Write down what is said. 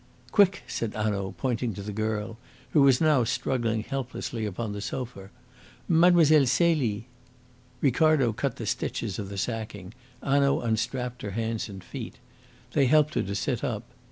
"Quick!" said Hanaud, pointing to the girl, who was now struggling helplessly upon the sofa. "Mlle. Celie!" Ricardo cut the stitches of the sacking. Hanaud unstrapped her hands and feet. They helped her to sit up.